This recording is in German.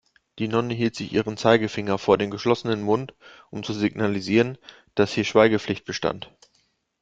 Die Nonne hielt sich ihren Zeigefinger vor den geschlossenen Mund, um zu signalisieren, dass hier Schweigepflicht bestand.